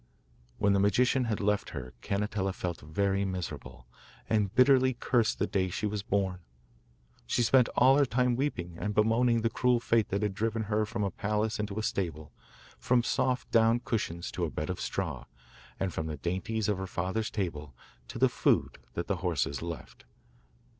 When the magician had left her Cannetella felt very miserable, and bitterly cursed the day she was born. She spent all her time weeping and bemoaning the cruel fate that had driven her from a palace into a stable, from soft down cushions to a bed of straw, and from the dainties of her father's table to the food that the horses left.